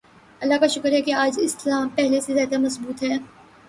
اللہ کا شکر ہے کہ آج اسلام پہلے سے زیادہ مضبوط ہے۔